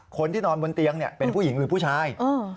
คนที่นอนบนเตียงเป็นผู้หญิงหรือผู้ชาย